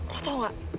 lo tau gak